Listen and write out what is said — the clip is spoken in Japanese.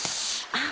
あっ。